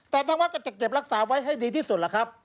แต่ทางวัดก็จะเก็บรักษาไว้ให้ดีที่สุดล่ะครับ